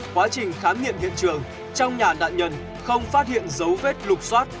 quá trình khám nghiệm hiện trường trong nhà nạn nhân không phát hiện dấu vết lục xoát